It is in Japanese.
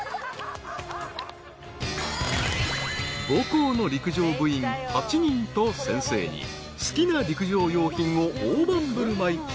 ［母校の陸上部員８人と先生に好きな陸上用品を大盤振る舞い］